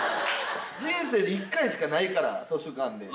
人生で一回しかないから図書館で。